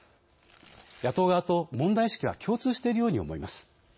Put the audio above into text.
野党側と問題意識は共通しているように思います。